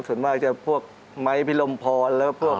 ส่วนมากจะพวกไม้พิรมพรแล้วพวก